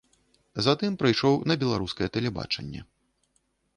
Затым прыйшоў на беларускае тэлебачанне.